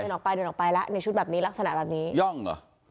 ออกไปเดินออกไปแล้วในชุดแบบนี้ลักษณะแบบนี้ย่องเหรอ